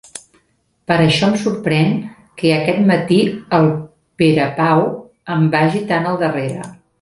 Per això em sorprèn que aquest matí el Perepau em vagi tan al darrere.